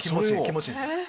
気持ちいいです。